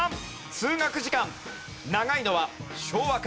通学時間長いのは昭和か？